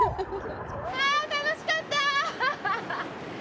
あ、楽しかった！